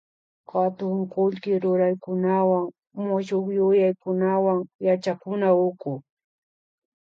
katun kullki ruraykunawan mushukyuyaykunawan yachakuna uku